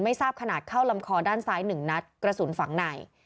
ทราบขนาดเข้าลำคอด้านซ้าย๑นัดกระสุนฝังใน